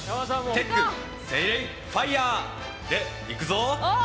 「テック・セイレイ・ファイヤー」でいくぞ！